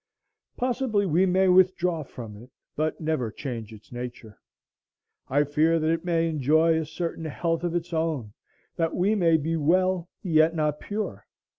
Possibly we may withdraw from it, but never change its nature. I fear that it may enjoy a certain health of its own; that we may be well, yet not pure.